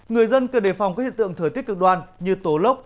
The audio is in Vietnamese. người dân cần đề phòng các hiện tượng thời tiết cực đoan như tố lốc